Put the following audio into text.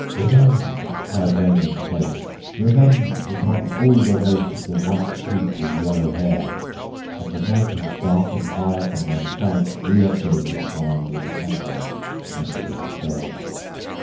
"Revenge!" cried Rain in the Face, "Revenue upon all the race Of the White Chief with yellow hair!" And the mountains dark and high From their crags re echoed the cry Of his anger and despair.